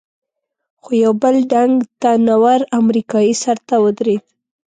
خو یو بل ډنګ، تن ور امریکایي سر ته ودرېد.